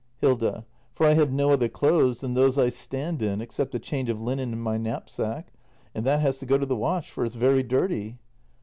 Hilda. For I have no other clothes than those I stand in, ex cept a change of linen in my knapsack. And that has to go to the wash, for it's very dirty.